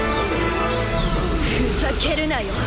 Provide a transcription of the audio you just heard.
ふざけるなよ